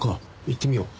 行ってみよう。